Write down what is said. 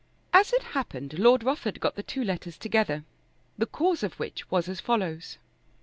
As it happened, Lord Rufford got the two letters together, the cause of which was as follows.